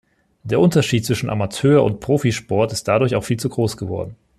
Der Unterschied zwischen Amateurund Profisport ist dadurch auch viel zu groß geworden.